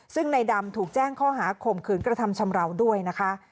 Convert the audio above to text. ซึ่งในดำถูกแจ้งข้อหาข่มขืนกระทำชำราวด้วยนะคะ